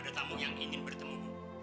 ada tamu yang ingin bertemu